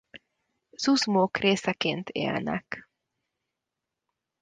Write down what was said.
Zuzmók részeként élnek.